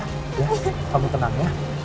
kamu tenang ya